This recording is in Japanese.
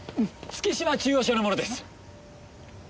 月島中央署の者です。